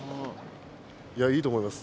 いやいいと思います。